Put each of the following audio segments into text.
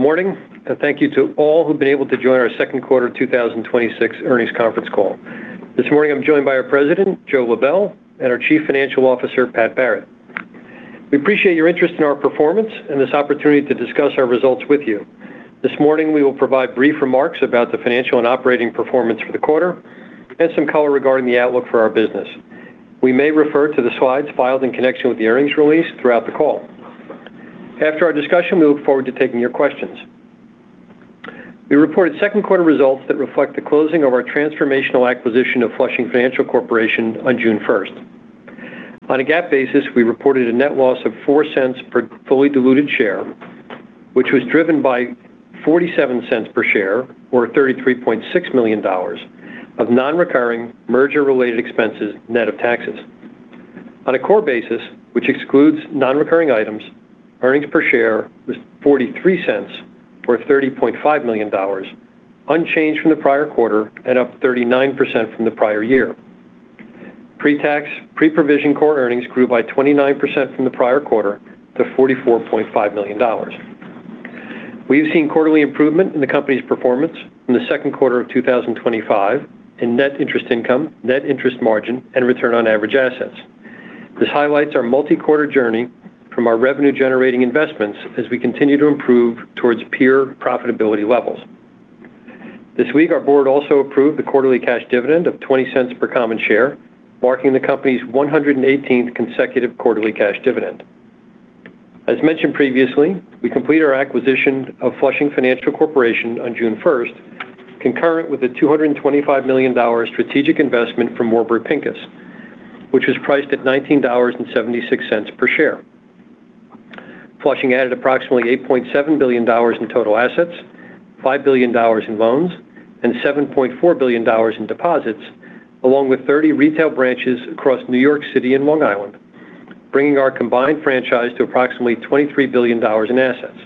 Good morning. Thank you to all who've been able to join our second quarter 2026 earnings conference call. This morning, I'm joined by our President, Joseph Lebel, and our Chief Financial Officer, Pat Barrett. We appreciate your interest in our performance and this opportunity to discuss our results with you. This morning, we will provide brief remarks about the financial and operating performance for the quarter and some color regarding the outlook for our business. We may refer to the slides filed in connection with the earnings release throughout the call. After our discussion, we look forward to taking your questions. We reported second quarter results that reflect the closing of our transformational acquisition of Flushing Financial Corporation on June 1st. On a GAAP basis, we reported a net loss of $0.04 per fully diluted share, which was driven by $0.47 per share or $33.6 million of non-recurring merger-related expenses, net of taxes. On a core basis, which excludes non-recurring items, earnings per share was $0.43 or $30.5 million, unchanged from the prior quarter and up 39% from the prior year. Pre-tax, pre-provision core earnings grew by 29% from the prior quarter to $44.5 million. We've seen quarterly improvement in the company's performance from the second quarter of 2025 in net interest income, net interest margin, and return on average assets. This highlights our multi-quarter journey from our revenue-generating investments as we continue to improve towards peer profitability levels. This week, our board also approved the quarterly cash dividend of $0.20 per common share, marking the company's 118th consecutive quarterly cash dividend. As mentioned previously, we completed our acquisition of Flushing Financial Corporation on June 1st, concurrent with a $225 million strategic investment from Warburg Pincus, which was priced at $19.76 per share. Flushing added approximately $8.7 billion in total assets, $5 billion in loans, and $7.4 billion in deposits, along with 30 retail branches across New York City and Long Island, bringing our combined franchise to approximately $23 billion in assets.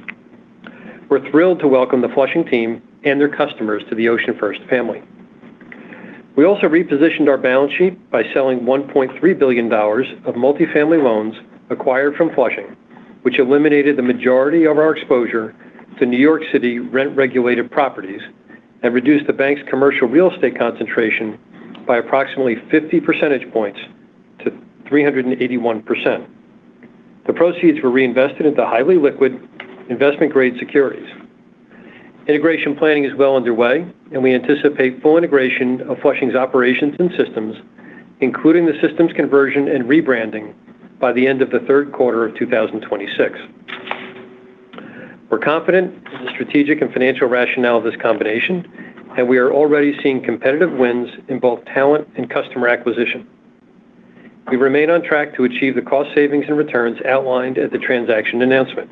We're thrilled to welcome the Flushing team and their customers to the OceanFirst family. We also repositioned our balance sheet by selling $1.3 billion of multifamily loans acquired from Flushing, which eliminated the majority of our exposure to New York City rent-regulated properties and reduced the bank's commercial real estate concentration by approximately 50 percentage points to 381%. The proceeds were reinvested into highly liquid investment-grade securities. Integration planning is well underway. We anticipate full integration of Flushing's operations and systems, including the systems conversion and rebranding, by the end of the third quarter of 2026. We're confident in the strategic and financial rationale of this combination. We are already seeing competitive wins in both talent and customer acquisition. We remain on track to achieve the cost savings and returns outlined at the transaction announcement.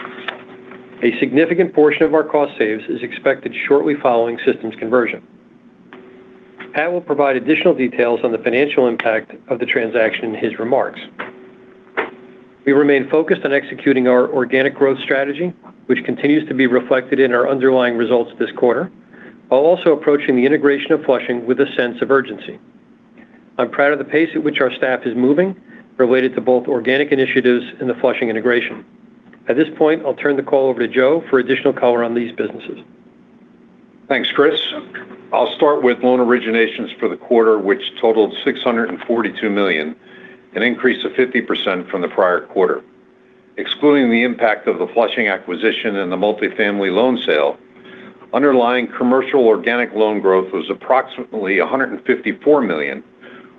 A significant portion of our cost saves is expected shortly following systems conversion. Pat will provide additional details on the financial impact of the transaction in his remarks. We remain focused on executing our organic growth strategy, which continues to be reflected in our underlying results this quarter, while also approaching the integration of Flushing with a sense of urgency. I'm proud of the pace at which our staff is moving related to both organic initiatives and the Flushing integration. At this point, I'll turn the call over to Joe for additional color on these businesses. Thanks, Chris. I'll start with loan originations for the quarter, which totaled $642 million, an increase of 50% from the prior quarter. Excluding the impact of the Flushing acquisition and the multifamily loan sale, underlying commercial organic loan growth was approximately $154 million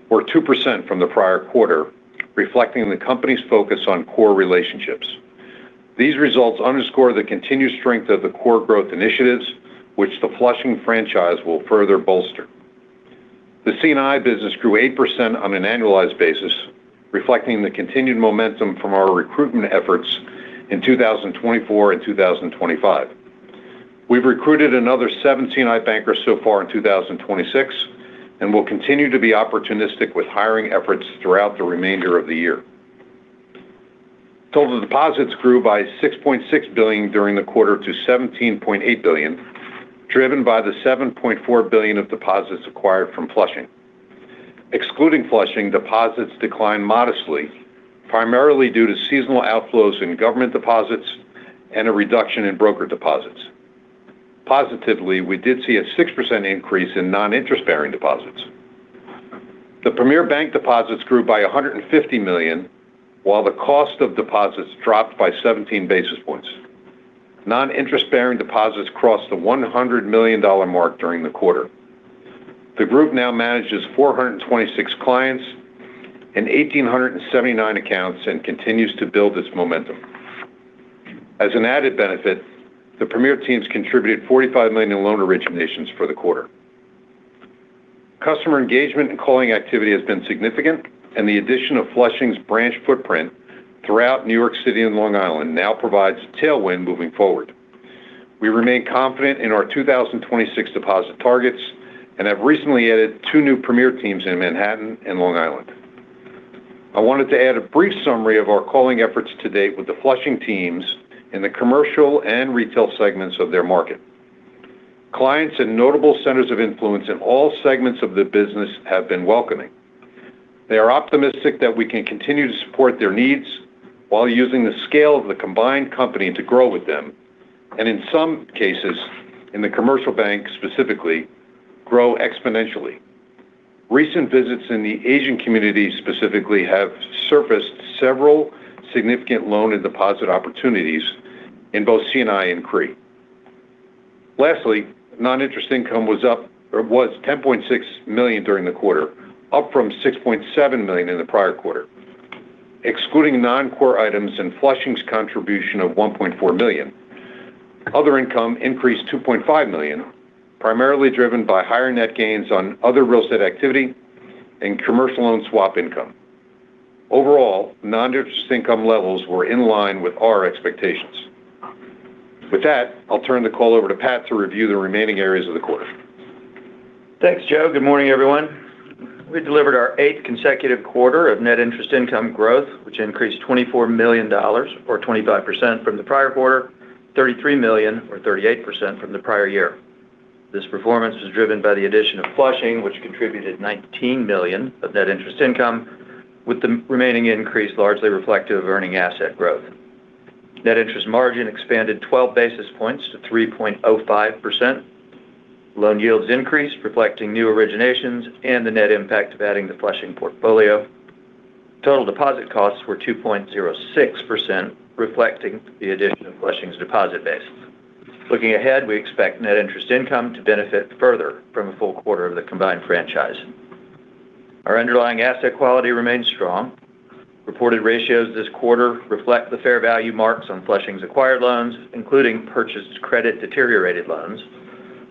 or 2% from the prior quarter, reflecting the company's focus on core relationships. These results underscore the continued strength of the core growth initiatives, which the Flushing franchise will further bolster. The C&I business grew 8% on an annualized basis, reflecting the continued momentum from our recruitment efforts in 2024 and 2025. We've recruited another 17 C&I bankers so far in 2026 and will continue to be opportunistic with hiring efforts throughout the remainder of the year. Total deposits grew by $6.6 billion during the quarter to $17.8 billion, driven by the $7.4 billion of deposits acquired from Flushing. Excluding Flushing, deposits declined modestly, primarily due to seasonal outflows in government deposits and a reduction in brokered deposits. Positively, we did see a 6% increase in non-interest-bearing deposits. The Premier Bank deposits grew by $150 million, while the cost of deposits dropped by 17 basis points. Non-interest-bearing deposits crossed the $100 million mark during the quarter. The group now manages 426 clients and 1,879 accounts and continues to build this momentum. As an added benefit, the Premier teams contributed $45 million in loan originations for the quarter. Customer engagement and calling activity has been significant, and the addition of Flushing's branch footprint throughout New York City and Long Island now provides tailwind moving forward. We remain confident in our 2026 deposit targets and have recently added two new Premier teams in Manhattan and Long Island. I wanted to add a brief summary of our calling efforts to date with the Flushing teams in the commercial and retail segments of their market. Clients and notable centers of influence in all segments of the business have been welcoming. They are optimistic that we can continue to support their needs while using the scale of the combined company to grow with them, and in some cases, in the commercial bank specifically, grow exponentially. Recent visits in the Asian community specifically have surfaced several significant loan and deposit opportunities in both C&I and CRE. Lastly, non-interest income was $10.6 million during the quarter, up from $6.7 million in the prior quarter. Excluding non-core items and Flushing's contribution of $1.4 million, other income increased to $2.5 million, primarily driven by higher net gains on other real estate activity and commercial loan swap income. Overall, non-interest income levels were in line with our expectations. With that, I'll turn the call over to Pat to review the remaining areas of the quarter. Thanks, Joe. Good morning, everyone. We delivered our eighth consecutive quarter of net interest income growth, which increased $24 million or 25% from the prior quarter, $33 million or 38% from the prior year. This performance was driven by the addition of Flushing, which contributed $19 million of net interest income, with the remaining increase largely reflective of earning asset growth. Net interest margin expanded 12 basis points to 3.05%. Loan yields increased, reflecting new originations and the net impact of adding the Flushing portfolio. Total deposit costs were 2.06%, reflecting the addition of Flushing's deposit base. Looking ahead, we expect net interest income to benefit further from a full quarter of the combined franchise. Our underlying asset quality remains strong. Reported ratios this quarter reflect the fair value marks on Flushing's acquired loans, including purchased credit-deteriorated loans,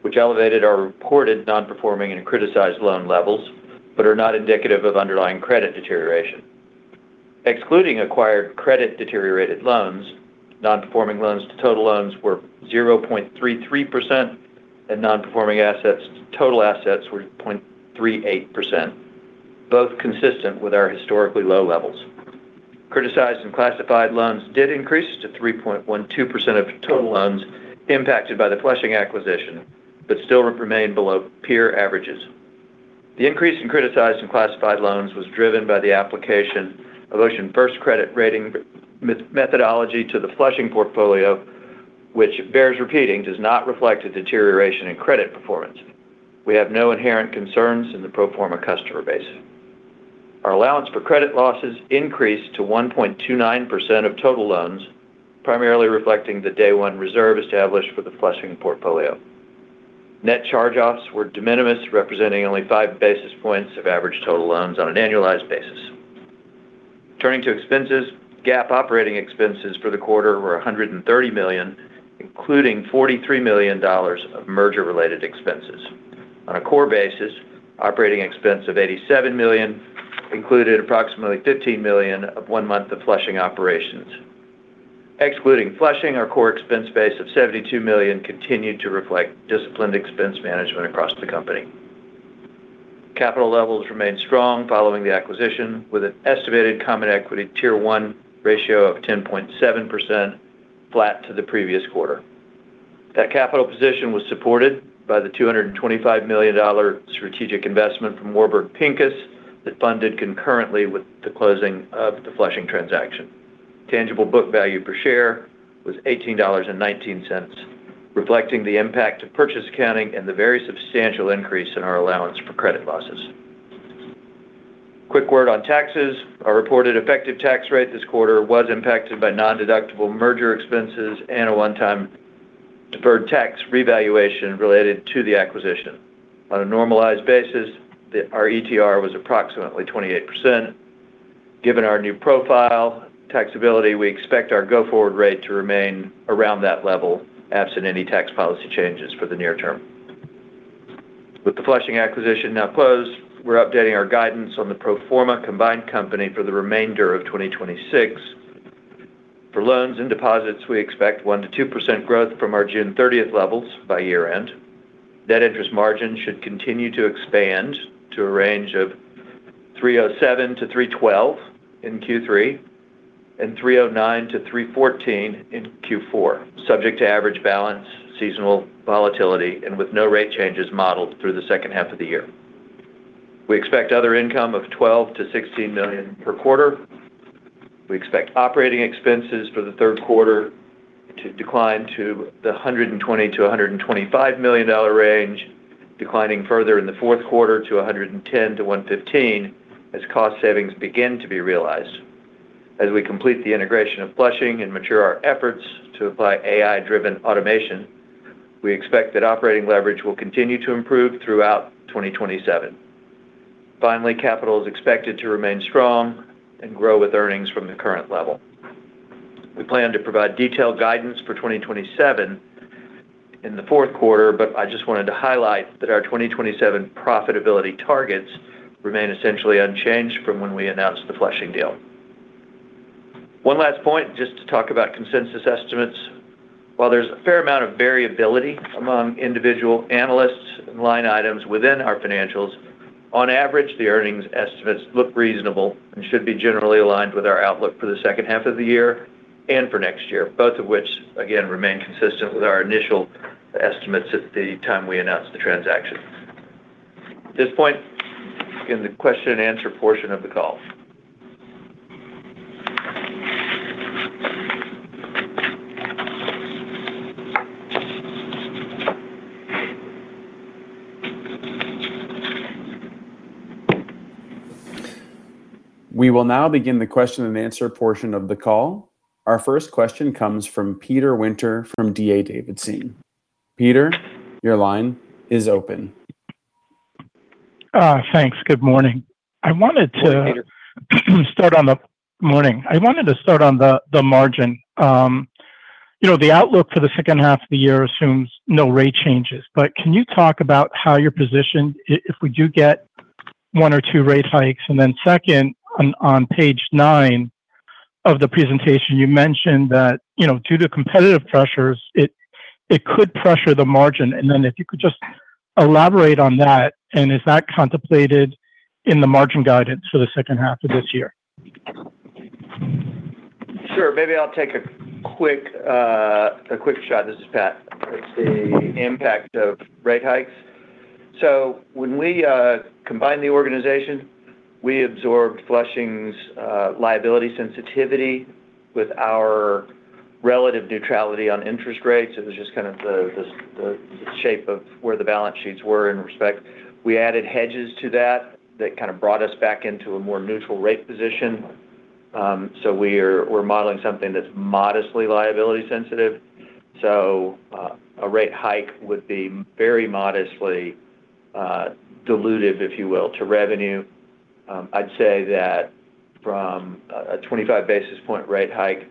which elevated our reported non-performing and criticized loan levels but are not indicative of underlying credit deterioration. Excluding acquired credit-deteriorated loans, non-performing loans to total loans were 0.33%, and non-performing assets to total assets were 0.38%, both consistent with our historically low levels. Criticized and classified loans did increase to 3.12% of total loans impacted by the Flushing acquisition but still remain below peer averages. The increase in criticized and classified loans was driven by the application of OceanFirst credit rating methodology to the Flushing portfolio, which it bears repeating, does not reflect a deterioration in credit performance. We have no inherent concerns in the pro forma customer base. Our allowance for credit losses increased to 1.29% of total loans, primarily reflecting the day-one reserve established for the Flushing portfolio. Net charge-offs were de minimis, representing only 5 basis points of average total loans on an annualized basis. Turning to expenses, GAAP operating expenses for the quarter were $130 million, including $43 million of merger-related expenses. On a core basis, operating expense of $87 million included approximately $15 million of one month of Flushing operations. Excluding Flushing, our core expense base of $72 million continued to reflect disciplined expense management across the company. Capital levels remained strong following the acquisition, with an estimated Common Equity Tier 1 ratio of 10.7%, flat to the previous quarter. That capital position was supported by the $225 million strategic investment from Warburg Pincus that funded concurrently with the closing of the Flushing transaction. Tangible book value per share was $18.19, reflecting the impact of purchase accounting and the very substantial increase in our allowance for credit losses. Quick word on taxes, our reported effective tax rate this quarter was impacted by non-deductible merger expenses and a one-time deferred tax revaluation related to the acquisition. On a normalized basis, our ETR was approximately 28%. Given our new profile taxability, we expect our go-forward rate to remain around that level, absent any tax policy changes for the near term. With the Flushing acquisition now closed, we are updating our guidance on the pro forma combined company for the remainder of 2026. For loans and deposits, we expect 1%-2% growth from our June 30th levels by year-end. Net interest margin should continue to expand to a range of 3.07%-3.12% in Q3 and 3.09%-3.14% in Q4, subject to average balance, seasonal volatility, and with no rate changes modeled through the second half of the year. We expect other income of $12 million-$16 million per quarter. We expect operating expenses for the third quarter to decline to the $120 million-$125 million range, declining further in the fourth quarter to $110 million-$115 million as cost savings begin to be realized. As we complete the integration of Flushing and mature our efforts to apply AI-driven automation, we expect that operating leverage will continue to improve throughout 2027. Finally, capital is expected to remain strong and grow with earnings from the current level. We plan to provide detailed guidance for 2027 in the fourth quarter. I just wanted to highlight that our 2027 profitability targets remain essentially unchanged from when we announced the Flushing deal. One last point, just to talk about consensus estimates. While there's a fair amount of variability among individual analysts and line items within our financials, on average, the earnings estimates look reasonable and should be generally aligned with our outlook for the second half of the year and for next year, both of which, again, remain consistent with our initial estimates at the time we announced the transaction. At this point, begin the question-and-answer portion of the call. We will now begin the question-and-answer portion of the call. Our first question comes from Peter Winter from D.A. Davidson. Peter, your line is open. Thanks. Good morning. Good morning, Peter. Good morning. I wanted to start on the margin. The outlook for the second half of the year assumes no rate changes, can you talk about how you're positioned if we do get one or two rate hikes? Second, on page nine of the presentation, you mentioned that due to competitive pressures, it could pressure the margin. If you could just elaborate on that, is that contemplated in the margin guidance for the second half of this year? Sure. Maybe I'll take a quick shot. This is Pat. It's the impact of rate hikes. When we combined the organization, we absorbed Flushing's liability sensitivity with our relative neutrality on interest rates. It was just kind of the shape of where the balance sheets were in respect. We added hedges to that kind of brought us back into a more neutral rate position. We're modeling something that's modestly liability sensitive. A rate hike would be very modestly dilutive, if you will, to revenue. I'd say that from a 25-basis-point rate hike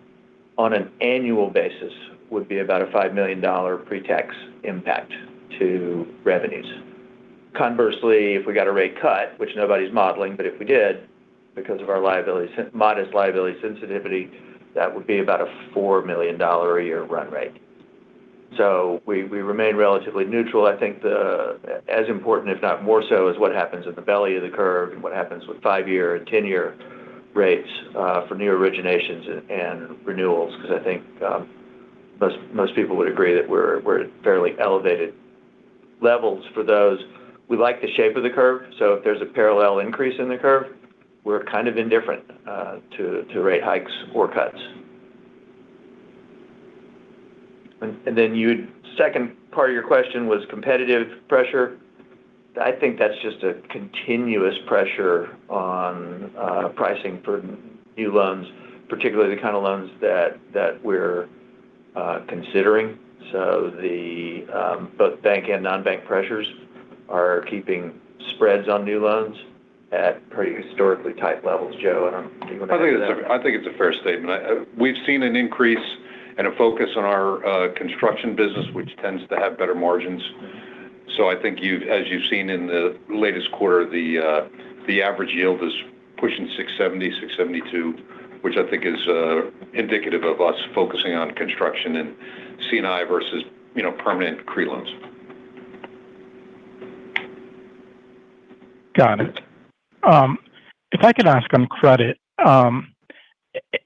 on an annual basis would be about a $5 million pre-tax impact to revenues. Conversely, if we got a rate cut, which nobody's modeling, if we did, because of our modest liability sensitivity, that would be about a $4 million a year run rate. We remain relatively neutral. I think as important, if not more so, is what happens in the belly of the curve and what happens with five-year and 10-year rates for new originations and renewals, because I think most people would agree that we're at fairly elevated levels for those. We like the shape of the curve, if there's a parallel increase in the curve, we're kind of indifferent to rate hikes or cuts. Second part of your question was competitive pressure. I think that's just a continuous pressure on pricing for new loans, particularly the kind of loans that we're considering. Both bank and non-bank pressures are keeping spreads on new loans at pretty historically tight levels. Joe, do you want to add to that? I think it's a fair statement. We've seen an increase and a focus on our construction business, which tends to have better margins. I think as you've seen in the latest quarter, the average yield is pushing 6.70%, 6.72%, which I think is indicative of us focusing on construction and C&I versus permanent CRE loans. Got it. If I could ask on credit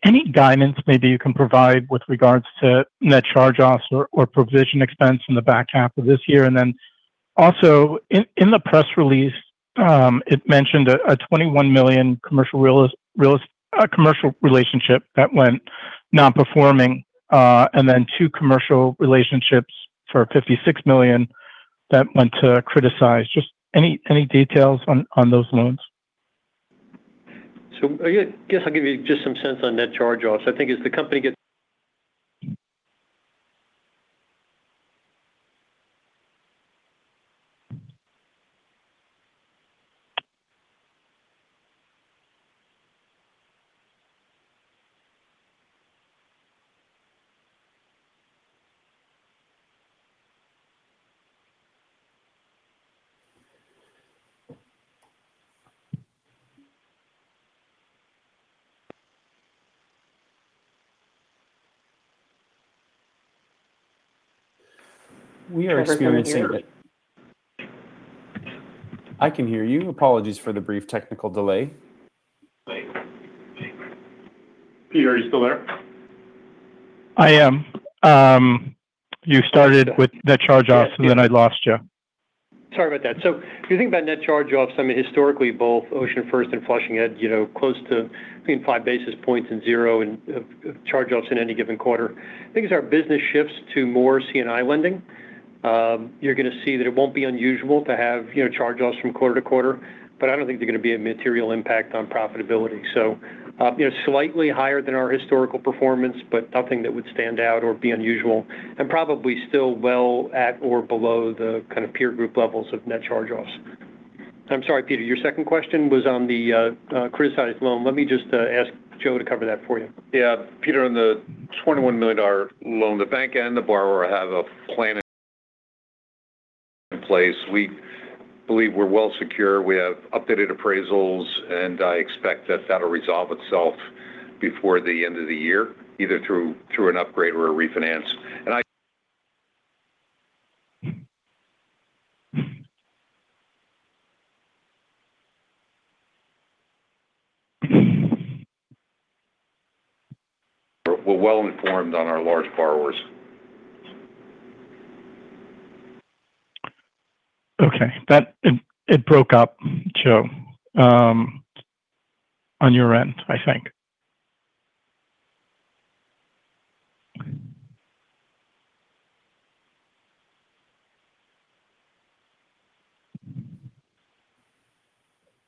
any guidance maybe you can provide with regards to net charge-offs or provision expense in the back half of this year? Also in the press release it mentioned a $21 million commercial relationship that went non-performing and then two commercial relationships for $56 million that went to criticized. Just any details on those loans? I guess I'll give you just some sense on net charge-offs. I think as the company Can everyone hear? I can hear you. Apologies for the brief technical delay. Peter, are you still there? I am. You started with net charge-offs, then I lost you. Sorry about that. If you think about net charge-offs, historically both OceanFirst and Flushing had close to between 5 basis points and zero in charge-offs in any given quarter. I think as our business shifts to more C&I lending, you're going to see that it won't be unusual to have charge-offs from quarter-to-quarter. I don't think they're going to be a material impact on profitability. Slightly higher than our historical performance, but nothing that would stand out or be unusual, and probably still well at or below the kind of peer group levels of net charge-offs. I'm sorry, Peter, your second question was on the criticized loan. Let me just ask Joe to cover that for you. Yeah. Peter, on the $21 million loan, the bank and the borrower have a plan in place. We believe we're well secure. We have updated appraisals, and I expect that that'll resolve itself before the end of the year, either through an upgrade or a refinance. We're well-informed on our large borrowers. Okay. It broke up, Joe, on your end, I think.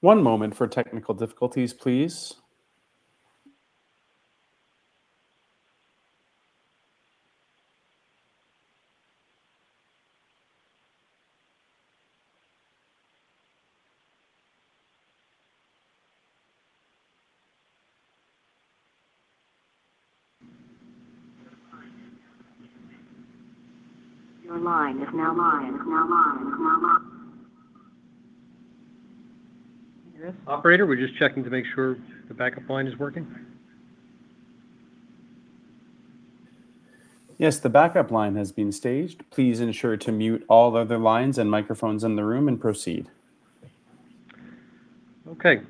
One moment for technical difficulties, please. Operator, we're just checking to make sure the backup line is working. Yes, the backup line has been staged. Please ensure to mute all other lines and microphones in the room and proceed. Okay.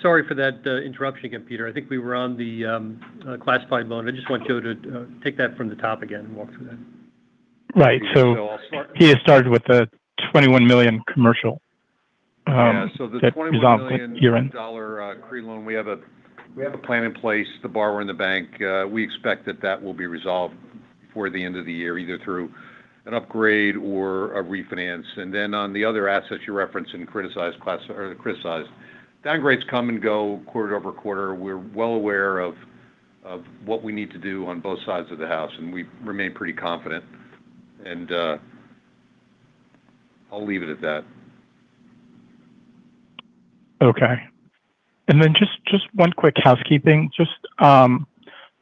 Sorry for that interruption again, Peter. I think we were on the classified loan. I just want Joe to take that from the top again and walk through that. Right. Peter started with the $21 million commercial- Yeah. The $21 million CRE loan, we have a plan in place, the borrower and the bank. We expect that that will be resolved before the end of the year, either through an upgrade or a refinance. On the other assets you referenced and criticized. Downgrades come and go quarter-over-quarter. We're well aware of what we need to do on both sides of the house, and we remain pretty confident. I'll leave it at that. Okay, just one quick housekeeping.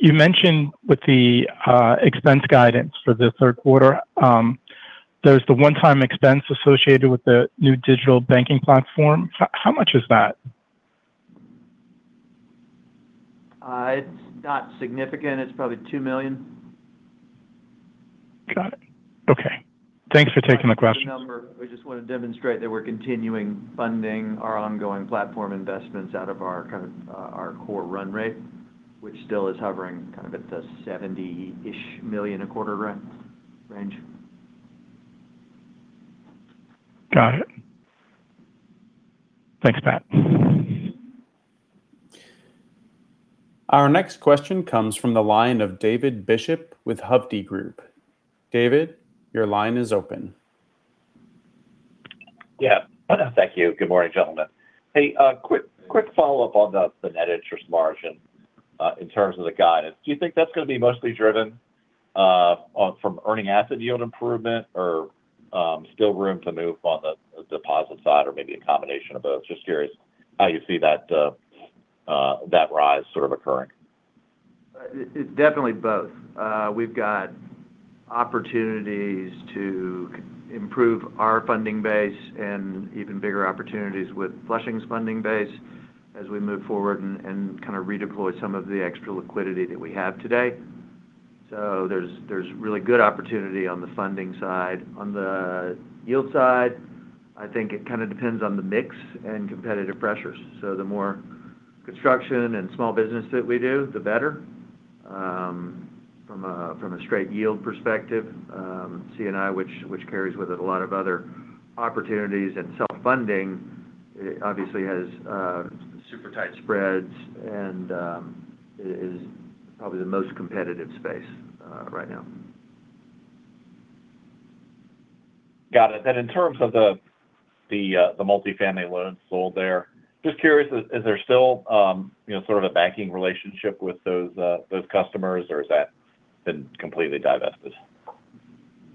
You mentioned with the expense guidance for the third quarter, there's the one-time expense associated with the new digital banking platform. How much is that? It's not significant. It's probably $2 million. Got it. Okay. Thanks for taking the question. It's not a huge number. We just want to demonstrate that we're continuing funding our ongoing platform investments out of our kind of core run rate, which still is hovering kind of at the $70-ish million a quarter range. Got it. Thanks, Pat. Our next question comes from the line of David Bishop with Hovde Group. David, your line is open. Yeah, thank you. Good morning, gentlemen. Hey, a quick follow-up on the net interest margin in terms of the guidance. Do you think that's going to be mostly driven from earning asset yield improvement? Or still room to move on the deposit side or maybe a combination of both? Just curious how you see that rise sort of occurring. It's definitely both. We've got opportunities to improve our funding base and even bigger opportunities with Flushing's funding base as we move forward and kind of redeploy some of the extra liquidity that we have today. There's really good opportunity on the funding side. On the yield side, I think it kind of depends on the mix and competitive pressures. The more construction and small business that we do, the better. From a straight yield perspective, C&I, which carries with it a lot of other opportunities and self-funding, obviously has super tight spreads and is probably the most competitive space right now. Got it. In terms of the multifamily loans sold there, just curious, is there still sort of a banking relationship with those customers or has that been completely divested?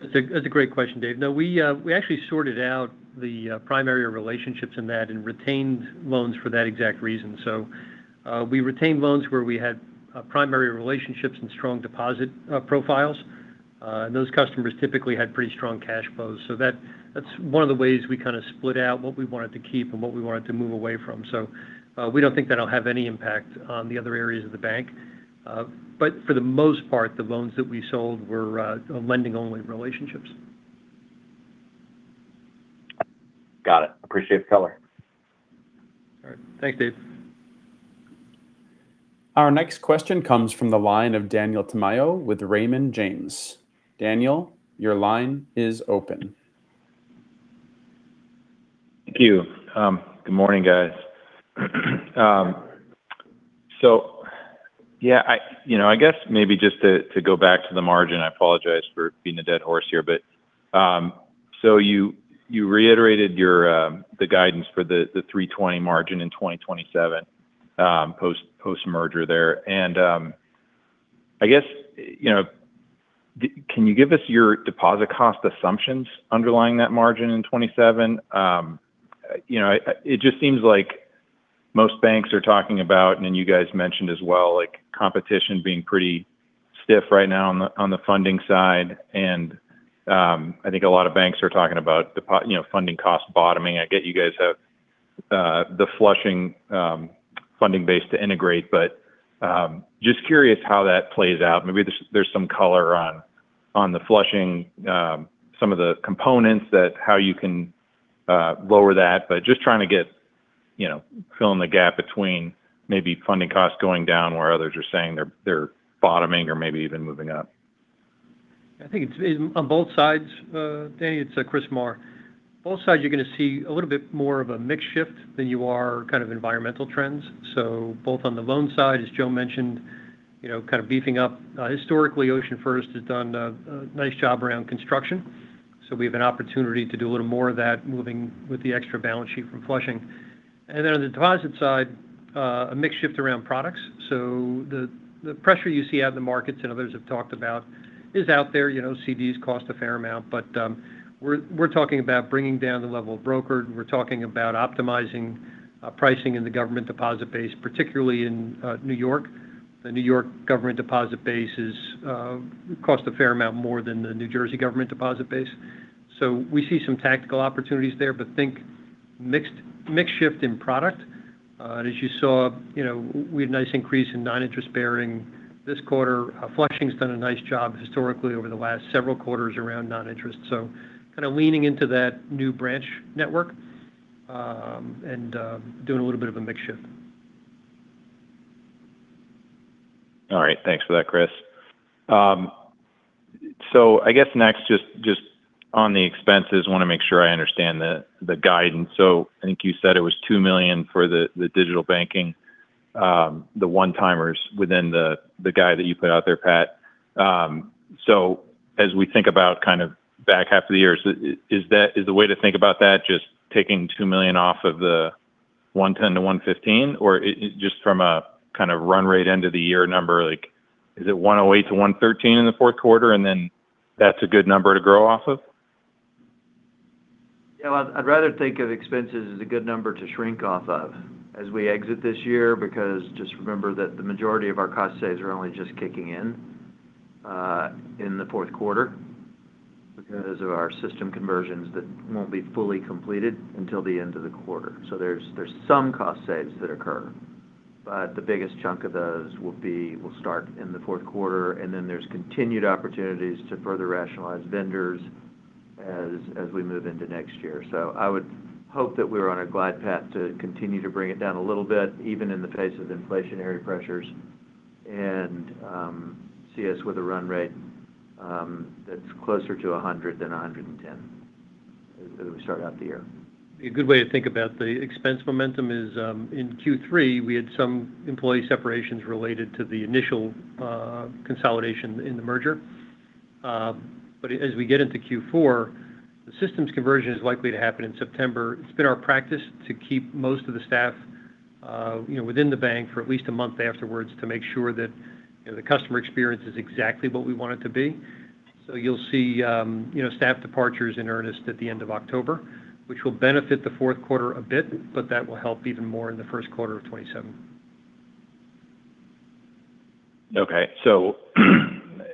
That's a great question, Dave. No, we actually sorted out the primary relationships in that and retained loans for that exact reason. We retained loans where we had primary relationships and strong deposit profiles. Those customers typically had pretty strong cash flows. That's one of the ways we kind of split out what we wanted to keep and what we wanted to move away from. We don't think that'll have any impact on the other areas of the bank. For the most part, the loans that we sold were lending-only relationships. Got it. Appreciate the color. All right. Thanks, Dave. Our next question comes from the line of Daniel Tamayo with Raymond James. Daniel, your line is open. Thank you. Good morning, guys. Yeah, I guess maybe just to go back to the margin. I apologize for beating a dead horse here, you reiterated the guidance for the 320 margin in 2027 post-merger there. I guess, can you give us your deposit cost assumptions underlying that margin in 2027? It just seems like most banks are talking about, and you guys mentioned as well, competition being pretty stiff right now on the funding side. I think a lot of banks are talking about funding cost bottoming. I get you guys have the Flushing Financial funding base to integrate. Just curious how that plays out. Maybe there's some color on the Flushing Financial, some of the components that how you can lower that. Just trying to fill in the gap between maybe funding costs going down where others are saying they're bottoming or maybe even moving up. I think it's on both sides. Daniel, it's Chris Maher. Both sides, you're going to see a little bit more of a mix shift than you are environmental trends. Both on the loan side, as Joe mentioned, beefing up. Historically, OceanFirst has done a nice job around construction. We have an opportunity to do a little more of that moving with the extra balance sheet from Flushing. On the deposit side, a mix shift around products. The pressure you see out of the markets and others have talked about is out there. CDs cost a fair amount, but we're talking about bringing down the level of brokered, and we're talking about optimizing pricing in the government deposit base, particularly in New York. The New York government deposit base costs a fair amount more than the New Jersey government deposit base. We see some tactical opportunities there, but think mix shift in product. As you saw, we had a nice increase in non-interest bearing this quarter. Flushing's done a nice job historically over the last several quarters around non-interest. Kind of leaning into that new branch network, and doing a little bit of a mix shift. All right. Thanks for that, Chris. I guess next, just on the expenses, want to make sure I understand the guidance. I think you said it was $2 million for the digital banking, the one-timers within the guide that you put out there, Pat. As we think about kind of back half of the year, is the way to think about that just taking $2 million off of the $110 million-$115 million? Or just from a kind of run rate end-of-the-year number, is it $108 million-$113 million in the fourth quarter and then that's a good number to grow off of? I'd rather think of expenses as a good number to shrink off of as we exit this year, because just remember that the majority of our cost saves are only just kicking in the fourth quarter because of our system conversions that won't be fully completed until the end of the quarter. There's some cost saves that occur. The biggest chunk of those will start in the fourth quarter, and then there's continued opportunities to further rationalize vendors as we move into next year. I would hope that we're on a glide path to continue to bring it down a little bit, even in the face of inflationary pressures, and see us with a run rate that's closer to $100 million than $110 million as we start out the year. A good way to think about the expense momentum is in Q3, we had some employee separations related to the initial consolidation in the merger. As we get into Q4, the systems conversion is likely to happen in September. It's been our practice to keep most of the staff within the bank for at least a month afterwards to make sure that the customer experience is exactly what we want it to be. You'll see staff departures in earnest at the end of October, which will benefit the fourth quarter a bit, but that will help even more in the first quarter of 2027. Okay.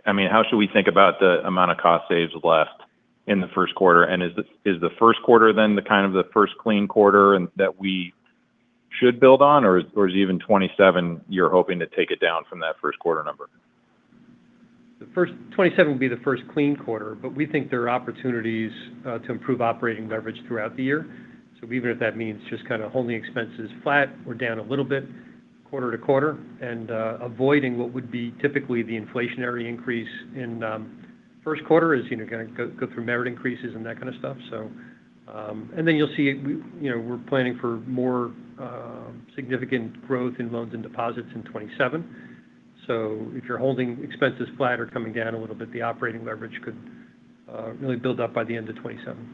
How should we think about the amount of cost saves left in the first quarter? Is the first quarter then the kind of the first clean quarter that we should build on? Or is even 2027, you're hoping to take it down from that first quarter number? 2027 will be the first clean quarter, we think there are opportunities to improve operating leverage throughout the year. Even if that means just kind of holding expenses flat or down a little bit quarter-to-quarter and avoiding what would be typically the inflationary increase in first quarter as you go through merit increases and that kind of stuff. Then you'll see we're planning for more significant growth in loans and deposits in 2027. If you're holding expenses flat or coming down a little bit, the operating leverage could really build up by the end of 2027.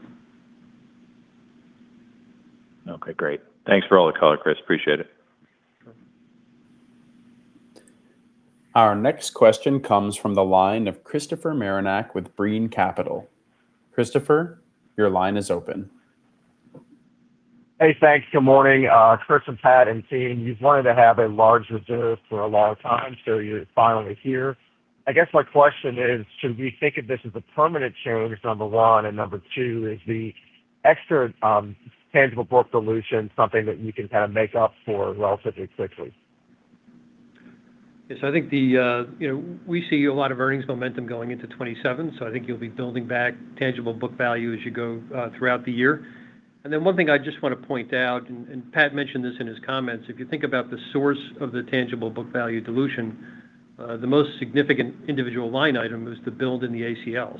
Okay, great. Thanks for all the color, Chris. Appreciate it. Our next question comes from the line of Christopher Marinac with Brean Capital. Christopher, your line is open. Hey, thanks. Good morning, Chris and Pat and team. You've wanted to have a large reserve for a long time. You're finally here. I guess my question is, should we think of this as a permanent change, number one? Number two, is the extra tangible book dilution something that you can kind of make up for relatively quickly? Yes, I think we see a lot of earnings momentum going into 2027. I think you'll be building back tangible book value as you go throughout the year. One thing I just want to point out, Pat mentioned this in his comments, if you think about the source of the tangible book value dilution, the most significant individual line item was the build in the ACL.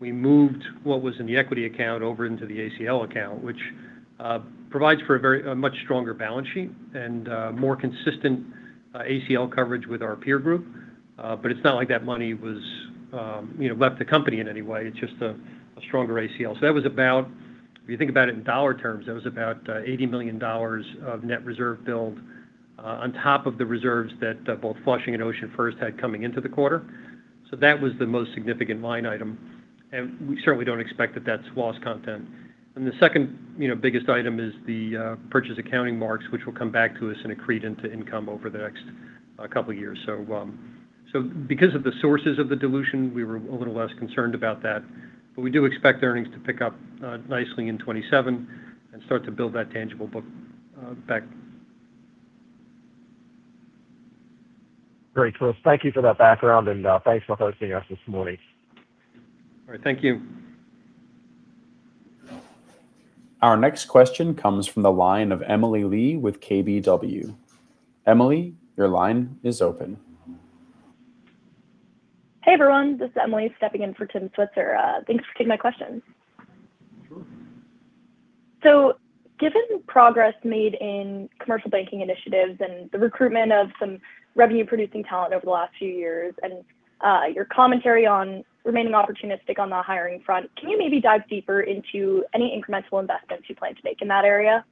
We moved what was in the equity account over into the ACL account, which provides for a much stronger balance sheet and more consistent ACL coverage with our peer group. It's not like that money left the company in any way. It's just a stronger ACL. That was about, if you think about it in dollar terms, that was about $80 million of net reserve build on top of the reserves that both Flushing and OceanFirst had coming into the quarter. That was the most significant line item, and we certainly don't expect that that's loss content. The second biggest item is the purchase accounting marks, which will come back to us in accreted to income over the next couple years. Because of the sources of the dilution, we were a little less concerned about that. We do expect earnings to pick up nicely in 2027 and start to build that tangible book back. Great. Well, thank you for that background and thanks for hosting us this morning. All right. Thank you. Our next question comes from the line of Emily Lee with KBW. Emily, your line is open. Hey, everyone. This is Emily stepping in for Tim Switzer. Thanks for taking my questions. Sure. Given the progress made in commercial banking initiatives and the recruitment of some revenue-producing talent over the last few years and your commentary on remaining opportunistic on the hiring front, can you maybe dive deeper into any incremental investments you plan to make in that area?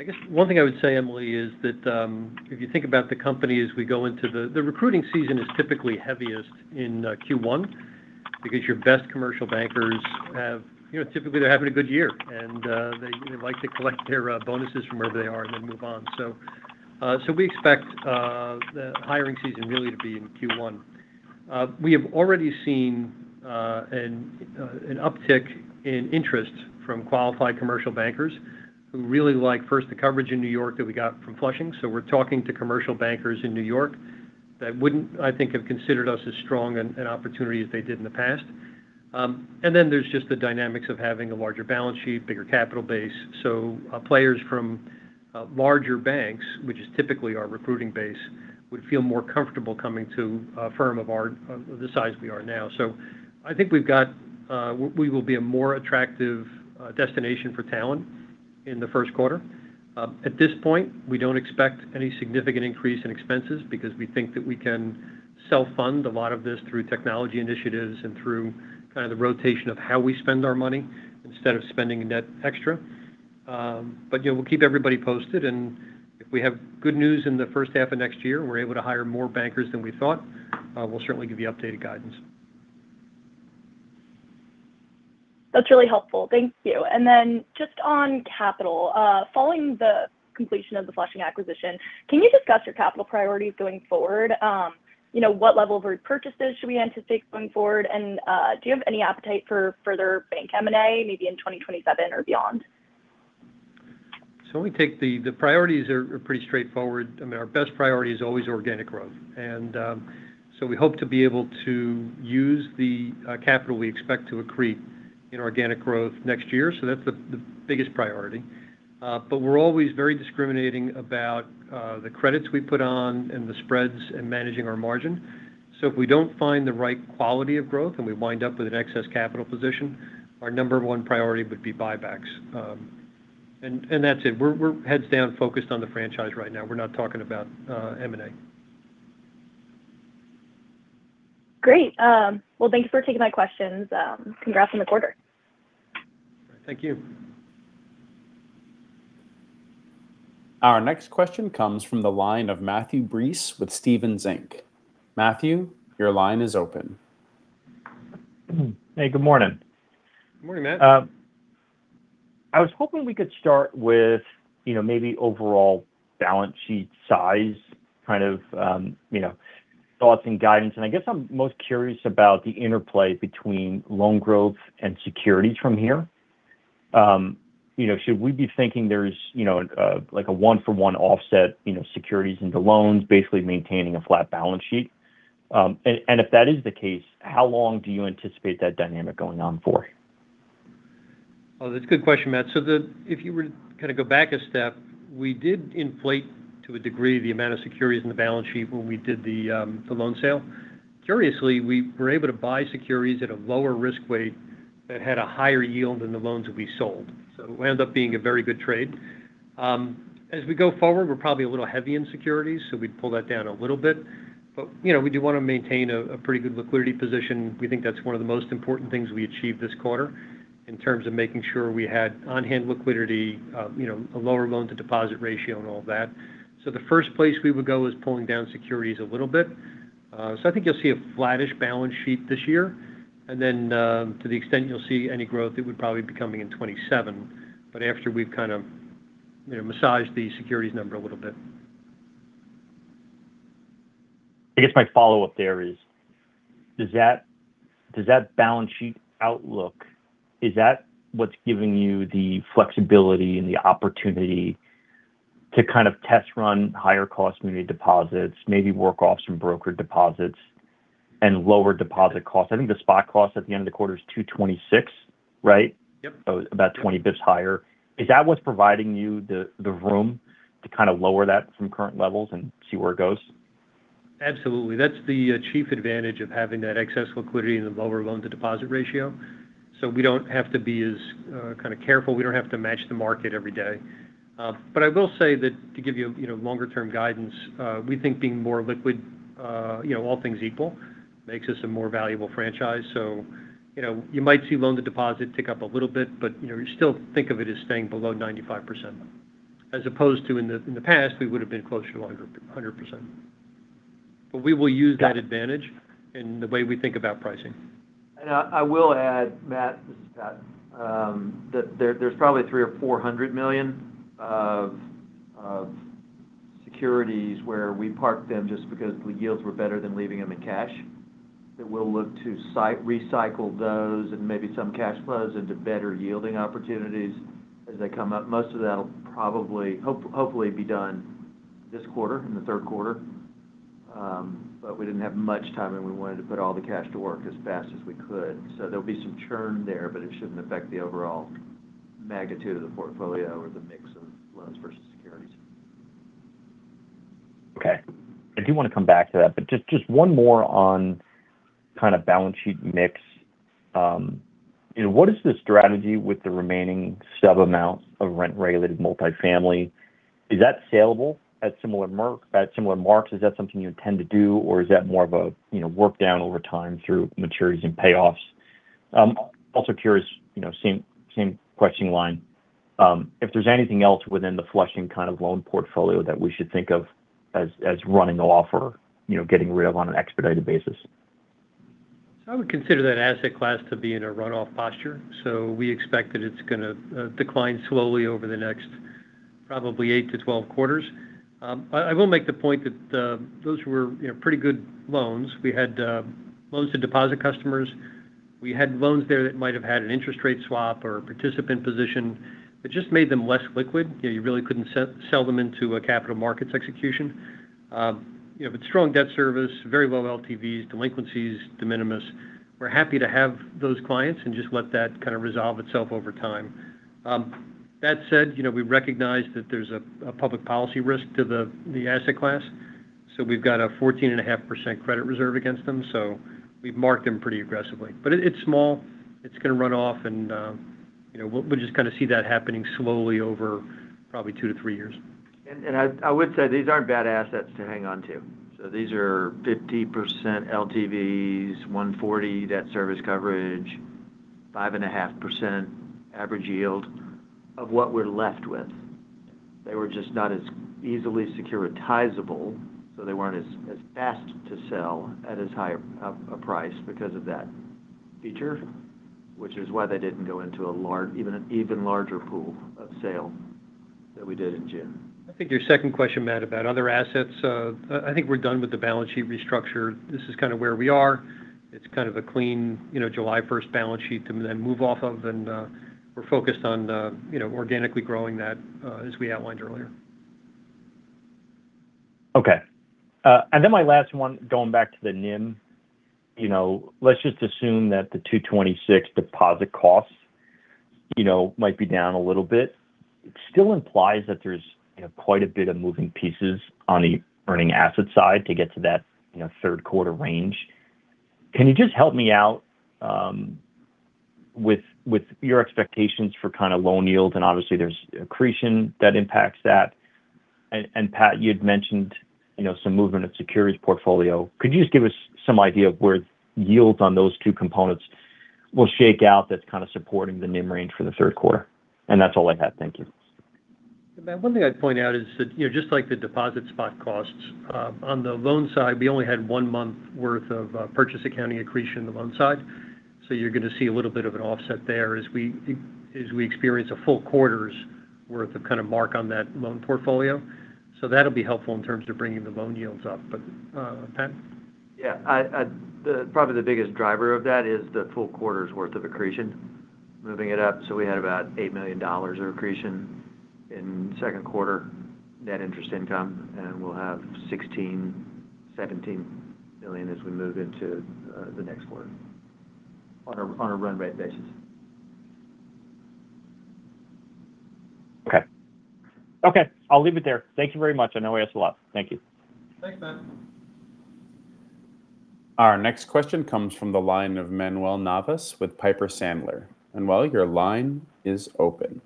I guess one thing I would say, Emily, is that if you think about the company as we go into the recruiting season is typically heaviest in Q1 because your best commercial bankers, typically they're having a good year, and they like to collect their bonuses from wherever they are and then move on. We expect the hiring season really to be in Q1. We have already seen an uptick in interest from qualified commercial bankers who really like, first, the coverage in New York that we got from Flushing. We're talking to commercial bankers in New York that wouldn't, I think, have considered us as strong an opportunity as they did in the past. There's just the dynamics of having a larger balance sheet, bigger capital base. Players from larger banks, which is typically our recruiting base, would feel more comfortable coming to a firm of the size we are now. I think we will be a more attractive destination for talent in the first quarter. At this point, we don't expect any significant increase in expenses because we think that we can self-fund a lot of this through technology initiatives and through the rotation of how we spend our money instead of spending net extra. We'll keep everybody posted, and if we have good news in the first half of next year, we're able to hire more bankers than we thought, we'll certainly give you updated guidance. That's really helpful, thank you. Just on capital, following the completion of the Flushing acquisition, can you discuss your capital priorities going forward? What level of repurchases should we anticipate going forward? Do you have any appetite for further bank M&A, maybe in 2027 or beyond? Let me take it. The priorities are pretty straightforward. I mean, our best priority is always organic growth. We hope to be able to use the capital we expect to accrete in organic growth next year. That's the biggest priority. We're always very discriminating about the credits we put on and the spreads and managing our margin. If we don't find the right quality of growth and we wind up with an excess capital position, our number one priority would be buybacks. That's it. We're heads down focused on the franchise right now. We're not talking about M&A. Great. Well, thank you for taking my questions, and congrats on the quarter. Thank you. Our next question comes from the line of Matthew Breese with Stephens Inc. Matthew, your line is open. Hey, good morning. Good morning, Matt. I was hoping we could start with maybe overall balance sheet size kind of thoughts and guidance. I guess I'm most curious about the interplay between loan growth and securities from here. Should we be thinking there's like a one-for-one offset, securities into loans, basically maintaining a flat balance sheet? If that is the case, how long do you anticipate that dynamic going on for? That's a good question, Matt. If you were to kind of go back a step, we did inflate to a degree the amount of securities in the balance sheet when we did the loan sale. Curiously, we were able to buy securities at a lower risk weight that had a higher yield than the loans that we sold. It wound up being a very good trade. As we go forward, we're probably a little heavy in securities, so we'd pull that down a little bit. We do want to maintain a pretty good liquidity position. We think that's one of the most important things we achieved this quarter in terms of making sure we had on-hand liquidity, a lower loan-to-deposit ratio and all of that. The first place we would go is pulling down securities a little bit. I think you'll see a flattish balance sheet this year. To the extent you'll see any growth, it would probably be coming in 2027. After we've kind of massaged the securities number a little bit. I guess my follow-up there is, does that balance sheet outlook, is that what's giving you the flexibility and the opportunity to kind of test run higher cost-of-community deposits, maybe work off some brokered deposits and lower deposit costs? I think the spot cost at the end of the quarter is 226, right? Yep. About 20 basis points higher. Is that what's providing you the room to kind of lower that from current levels and see where it goes? Absolutely. That's the chief advantage of having that excess liquidity and the lower loan-to-deposit ratio. We don't have to be as kind of careful. We don't have to match the market every day. I will say that to give you longer term guidance, we think being more liquid all things equal makes us a more valuable franchise. You might see loan-to-deposit tick up a little bit, but you still think of it as staying below 95%. As opposed to in the past, we would've been closer to 100%. We will use that advantage in the way we think about pricing. I will add, Matt, this is Pat, that there's probably $300 million or $400 million of securities where we parked them just because the yields were better than leaving them in cash, that we'll look to recycle those and maybe some cash flows into better-yielding opportunities as they come up. Most of that'll probably, hopefully, be done this quarter, in the third quarter. We didn't have much time, and we wanted to put all the cash to work as fast as we could. There'll be some churn there, but it shouldn't affect the overall magnitude of the portfolio or the mix of loans versus securities. Okay. I do want to come back to that, just one more on kind of balance sheet mix. What is the strategy with the remaining sub-amounts of rent-regulated multifamily? Is that saleable at similar marks? Is that something you intend to do or is that more of a work down over time through maturities and payoffs? I'm also curious, same question line, if there's anything else within the Flushing kind of loan portfolio that we should think of as running off or getting rid of on an expedited basis. I would consider that asset class to be in a runoff posture. We expect that it's going to decline slowly over the next probably 8-12 quarters. I will make the point that those were pretty good loans. We had loans to deposit customers. We had loans there that might have had an interest rate swap or a participant position that just made them less liquid. You really couldn't sell them into a capital markets execution. Strong debt service, very low LTVs, delinquencies de minimis. We're happy to have those clients and just let that kind of resolve itself over time. That said, we recognize that there's a public policy risk to the asset class. We've got a 14.5% credit reserve against them, so we've marked them pretty aggressively. It's small, it's going to run off and we'll just kind of see that happening slowly over probably two to three years. I would say these aren't bad assets to hang on to. These are 50% LTVs, 140 debt service coverage, 5.5% average yield of what we're left with. They were just not as easily securitizable, they weren't as fast to sell at as high a price because of that feature, which is why they didn't go into an even larger pool of sale that we did in June. I think your second question, Matt, about other assets, I think we're done with the balance sheet restructure. This is kind of where we are. It's kind of a clean July 1st balance sheet to then move off of, we're focused on organically growing that as we outlined earlier. Okay. My last one, going back to the NIM. Let's just assume that the 226 deposit costs might be down a little bit. It still implies that there's quite a bit of moving pieces on the earning asset side to get to that third quarter range. Can you just help me out with your expectations for kind of loan yields? Obviously there's accretion that impacts that. Pat, you had mentioned some movement of securities portfolio. Could you just give us some idea of where yields on those two components will shake out that's kind of supporting the NIM range for the third quarter? That's all I have, thank you. Matt, one thing I'd point out is that just like the deposit spot costs, on the loan side, we only had one month worth of purchase accounting accretion on the loan side. You're going to see a little bit of an offset there as we experience a full quarter's worth of kind of mark on that loan portfolio. That'll be helpful in terms of bringing the loan yields up. Pat? Probably the biggest driver of that is the full quarter's worth of accretion moving it up. We had about $8 million of accretion in second quarter net interest income, and we'll have $16 million, $17 million as we move into the next quarter on a run rate basis. Okay. I'll leave it there. Thank you very much, I know I asked a lot. Thank you. Thanks, Matt. Our next question comes from the line of Manuel Navas with Piper Sandler. Manuel, your line is open.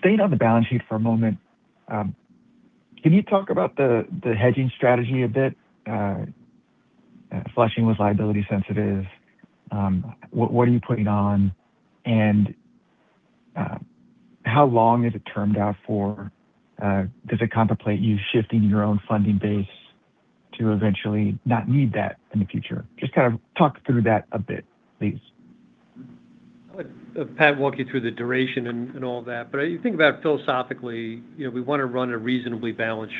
Staying on the balance sheet for a moment, can you talk about the hedging strategy a bit? Flushing with liability sensitives. What are you putting on, and how long is it termed out for? Does it contemplate you shifting your own funding base to eventually not need that in the future? Just kind of talk through that a bit, please. I'll let Pat walk you through the duration and all that. If you think about it philosophically, we want to run a reasonably balanced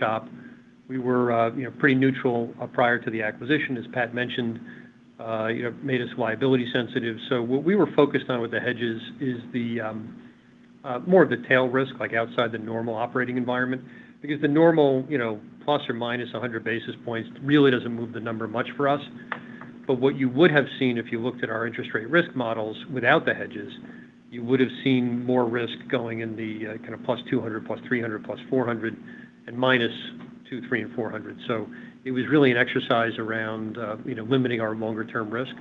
shop. We were pretty neutral prior to the acquisition, as Pat mentioned. It made us liability sensitive. What we were focused on with the hedges is more of the tail risk, like outside the normal operating environment. The normal ±100 basis points really doesn't move the number much for us. What you would have seen if you looked at our interest rate risk models without the hedges, you would've seen more risk going in the kind of +200, +300, +400, and -200, -300 and -400. It was really an exercise around limiting our longer-term risk.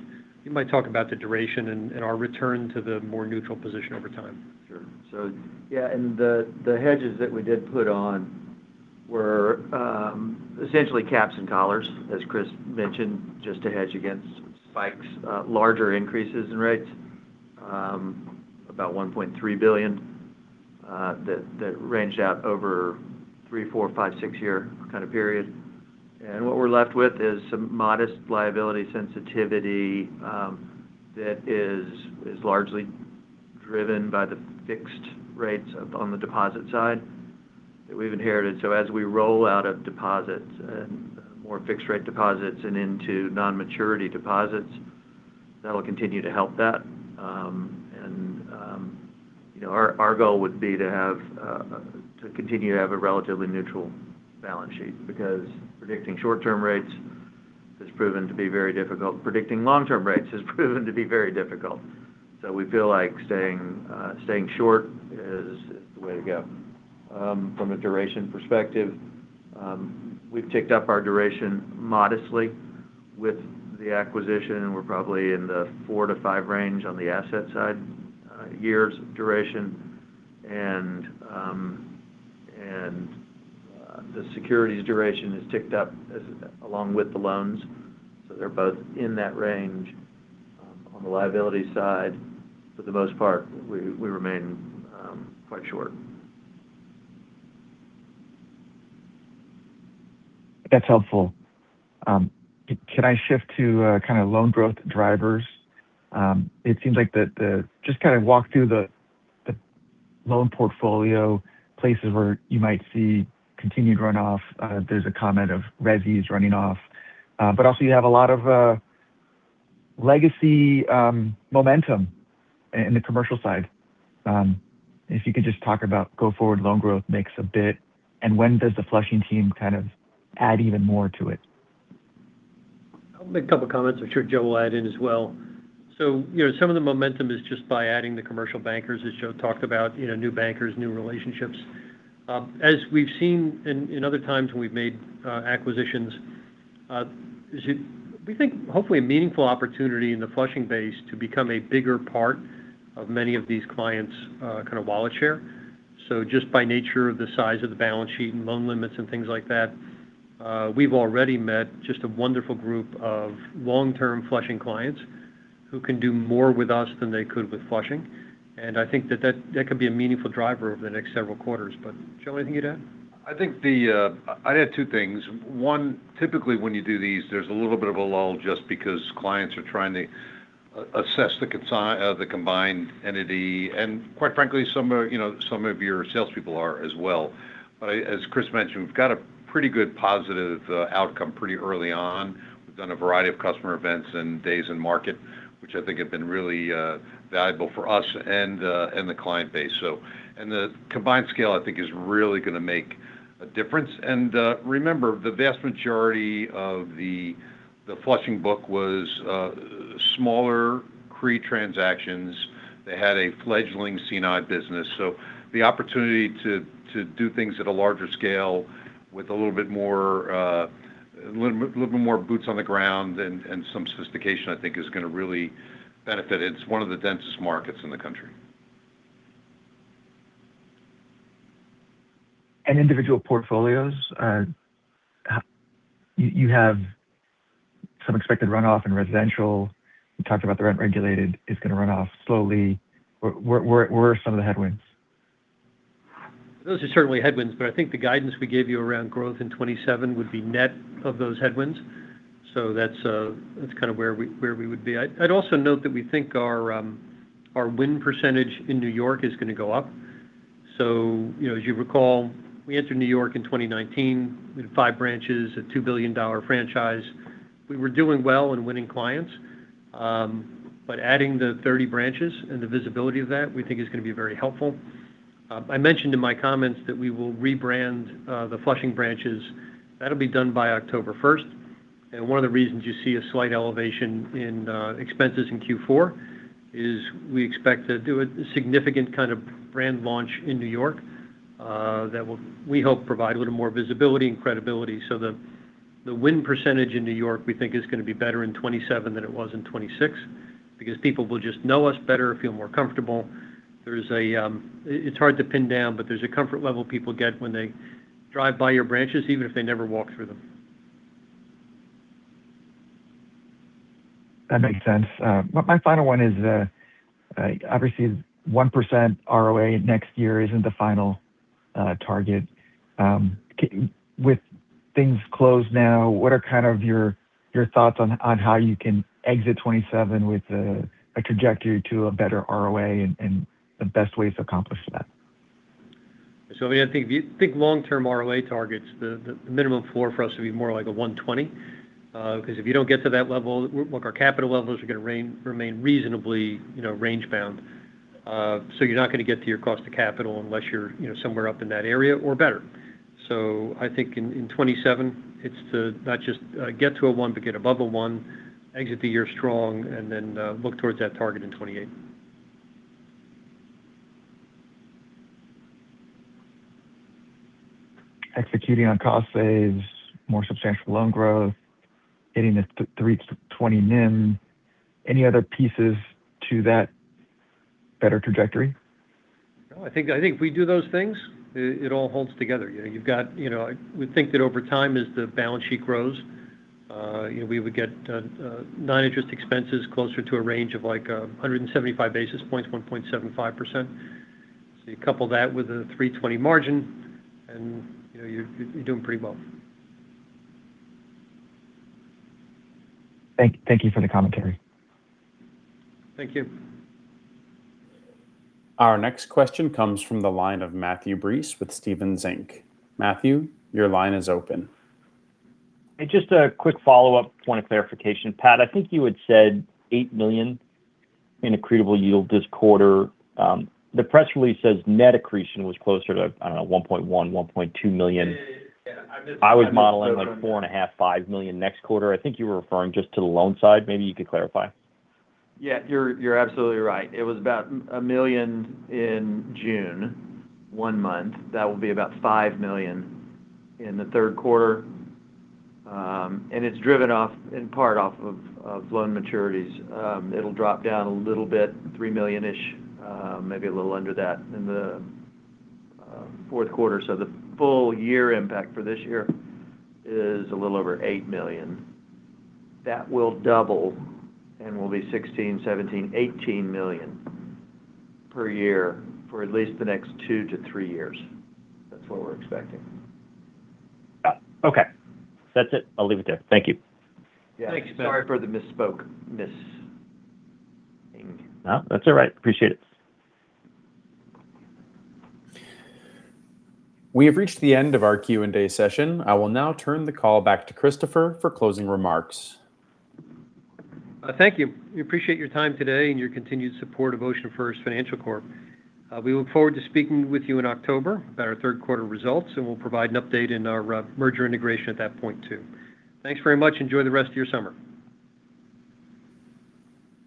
You might talk about the duration and our return to the more neutral position over time. Sure. Yeah, the hedges that we did put on were essentially caps and collars, as Chris mentioned, just to hedge against spikes, larger increases in rates, about $1.3 billion. That range out over three, four, five, six-year kind of period. What we're left with is some modest liability sensitivity that is largely driven by the fixed rates on the deposit side that we've inherited. As we roll out of deposits and more fixed rate deposits and into non-maturity deposits, that'll continue to help that. Our goal would be to continue to have a relatively neutral balance sheet predicting short-term rates has proven to be very difficult. Predicting long-term rates has proven to be very difficult. We feel like staying short is the way to go. From a duration perspective, we've ticked up our duration modestly with the acquisition. We're probably in the 4%-5% range on the asset side, years duration. And the securities duration has ticked up along with the loans, so they're both in that range on the liability side. For the most part, we remain quite short. That's helpful. Can I shift to kind of loan growth drivers? Just kind of walk through the loan portfolio places where you might see continued run-off. There's a comment of resis running off. Also you have a lot of legacy momentum in the commercial side. If you could just talk about go-forward loan growth mix a bit, and when does the Flushing team kind of add even more to it? I'll make a couple comments. I'm sure Joe will add in as well. Some of the momentum is just by adding the commercial bankers, as Joe talked about, new bankers, new relationships. As we've seen in other times when we've made acquisitions, we think hopefully a meaningful opportunity in the Flushing base to become a bigger part of many of these clients' kind of wallet share. Just by nature of the size of the balance sheet and loan limits and things like that, we've already met just a wonderful group of long-term Flushing clients who can do more with us than they could with Flushing. I think that could be a meaningful driver over the next several quarters. Joe, anything to add? I'd add two things. One, typically when you do these, there's a little bit of a lull just because clients are trying to assess the combined entity, and quite frankly, some of your salespeople are as well. As Chris mentioned, we've got a pretty good positive outcome pretty early on. We've done a variety of customer events and days in market, which I think have been really valuable for us and the client base. The combined scale I think is really going to make a difference. Remember, the vast majority of the Flushing book was smaller CRE transactions. They had a fledgling C&I business. The opportunity to do things at a larger scale with a little bit more boots on the ground and some sophistication I think is going to really benefit. It's one of the densest markets in the country. Individual portfolios. You have some expected runoff in residential. You talked about the rent-regulated is going to run off slowly. Where are some of the headwinds? Those are certainly headwinds, but I think the guidance we gave you around growth in 2027 would be net of those headwinds. That's kind of where we would be. I'd also note that we think our win percentage in New York is going to go up. As you recall, we entered New York in 2019 with five branches, a $2 billion franchise. We were doing well in winning clients. Adding the 30 branches and the visibility of that we think is going to be very helpful. I mentioned in my comments that we will rebrand the Flushing branches. That'll be done by October 1st. One of the reasons you see a slight elevation in expenses in Q4 is we expect to do a significant kind of brand launch in New York that we hope provide a little more visibility and credibility. The win percentage in New York we think is going to be better in 2027 than it was in 2026 because people will just know us better, feel more comfortable. It's hard to pin down, but there's a comfort level people get when they drive by your branches, even if they never walk through them. That makes sense. My final one is obviously 1% ROA next year isn't the final target. With things closed now, what are kind of your thoughts on how you can exit 2027 with a trajectory to a better ROA and the best ways to accomplish that? Manuel, I think if you think long-term ROA targets, the minimum floor for us would be more like a 120 because if you don't get to that level, our capital levels are going to remain reasonably range bound. You're not going to get to your cost of capital unless you're somewhere up in that area or better. I think in 2027 it's to not just get to a one, but get above a one, exit the year strong, and then look towards that target in 2028. Executing on cost saves, more substantial loan growth, hitting the 320 NIM. Any other pieces to that better trajectory? No, I think if we do those things, it all holds together. We think that over time as the balance sheet grows We would get non-interest expenses closer to a range of 175 basis points, 1.75%. You couple that with a 320 margin, and you're doing pretty well. Thank you for the commentary. Thank you. Our next question comes from the line of Matthew Breese with Stephens Inc. Matthew, your line is open. Just a quick follow-up point of clarification. Pat, I think you had said 8 million in accretable yield this quarter. The press release says net accretion was closer to, I don't know, $1.1 million, $1.2 million. Yeah. I misspoke on that. I was modeling like $4.5 million, $5 million next quarter. I think you were referring just to the loan side. Maybe you could clarify. Yeah, you're absolutely right. It was about $1 million in June, one month. That will be about $5 million in the third quarter. It's driven in part off of loan maturities. It'll drop down a little bit, $3 million-ish, maybe a little under that in the fourth quarter. The full-year impact for this year is a little over $8 million. That will double and will be $16 million, $17 million, $18 million per year for at least the next two to three years. That's what we're expecting. Okay. That's it. I'll leave it there. Thank you. Yeah. Thanks, Matthew. Sorry for the misspeaking. No, that's all right. Appreciate it. We have reached the end of our Q&A session. I will now turn the call back to Christopher for closing remarks. Thank you. We appreciate your time today and your continued support of OceanFirst Financial Corp. We look forward to speaking with you in October about our third quarter results, and we'll provide an update in our merger integration at that point, too. Thanks very much. Enjoy the rest of your summer.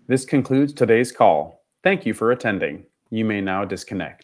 This concludes today's call. Thank you for attending. You may now disconnect.